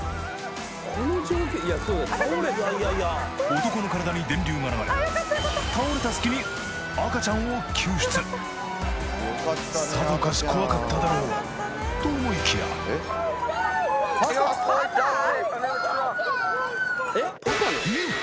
男の体に電流が流れ倒れた隙にさぞかし怖かっただろうと思いきやうん？